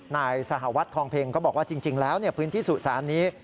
นายสหวัดทองเพ็งก็บอกว่าจริงแล้วพื้นที่สุสานนี้